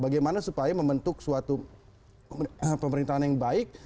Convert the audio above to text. bagaimana supaya membentuk suatu pemerintahan yang baik